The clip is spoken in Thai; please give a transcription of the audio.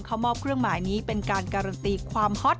เขามอบเครื่องหมายนี้เป็นการการันตีความฮอต